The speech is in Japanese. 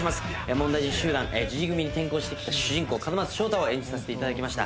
問題児集団Ｇ組に転校してきた主人公門松勝太を演じさせていただきました。